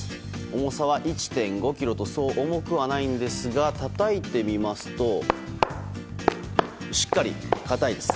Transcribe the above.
重さは１．５ｋｇとそう重くはないんですがたたいてみますとしっかり硬いです。